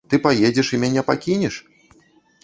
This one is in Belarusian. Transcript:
І ты паедзеш і мяне пакінеш?